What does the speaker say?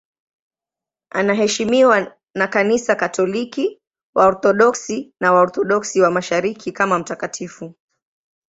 Anaheshimiwa na Kanisa Katoliki, Waorthodoksi na Waorthodoksi wa Mashariki kama mtakatifu.